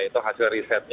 itu hasil risetnya